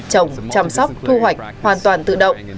trồng chăm sóc thu hoạch hoàn toàn tự động